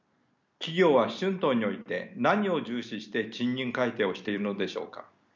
企業は春闘において何を重視して賃金改定をしているのでしょうか。